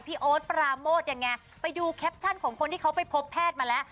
โอ๊ตปราโมทยังไงไปดูแคปชั่นของคนที่เขาไปพบแพทย์มาแล้ว